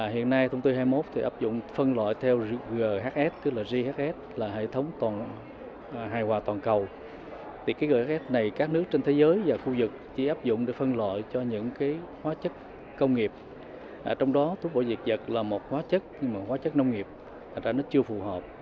hiện nay thông tư hai mươi một áp dụng phân loại theo ghs ghs là hệ thống hài hòa toàn cầu